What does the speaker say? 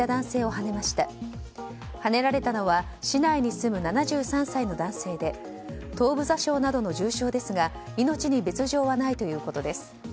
はねられたのは市内に住む７３歳の男性で東部挫傷などの重傷ですが命に別条はないということです。